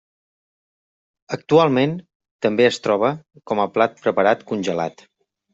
Actualment també es troba com a plat preparat congelat.